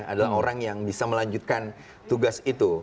adalah orang yang bisa melanjutkan tugas itu